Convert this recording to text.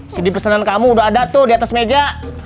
sidi pesanan kamu udah ada tuh diatas meja